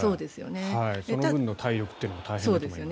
その分の体力も大変だと思います。